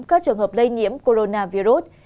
các trường hợp lây nhiễm coronavirus